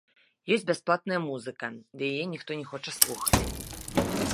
Ёсць бясплатная музыка, ды яе ніхто не хоча слухаць.